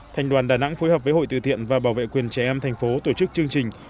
thành đoàn đà nẵng phối hợp với hội từ thiện và bảo vệ quyền trẻ em thành phố tổ chức chương trình